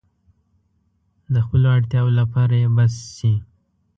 د خپلو اړتیاوو لپاره يې بس شي.